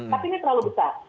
tapi ini terlalu besar